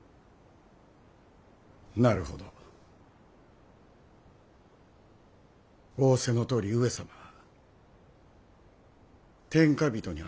なるほど仰せのとおり上様は天下人にあられましょう！